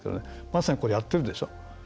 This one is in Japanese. まさに、これやってるでしょ。